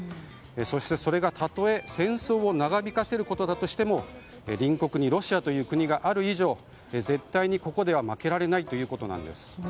そして、それがたとえ戦争を長引かせることだとしても隣国にロシアという国がある以上絶対にここでは負けられないということなんです。